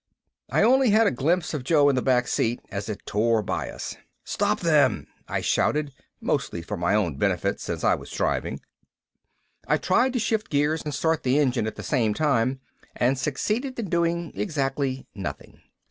I only had a glimpse of Joe in the back seat as it tore by us. "Stop them!" I shouted, mostly for my own benefit since I was driving. I tried to shift gears and start the engine at the same time, and succeeded in doing exactly nothing.